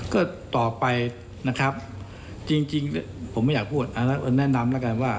ก็ต่อไปนะครับจริงผมไม่อยากพูดแนะนำแล้วกันว่า